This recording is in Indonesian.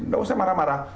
nggak usah marah marah